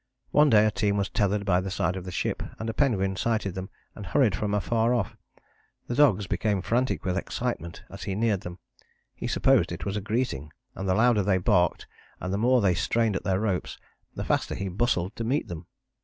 One day a team was tethered by the side of the ship, and a penguin sighted them and hurried from afar off. The dogs became frantic with excitement as he neared them: he supposed it was a greeting, and the louder they barked and the more they strained at their ropes, the faster he bustled to meet them.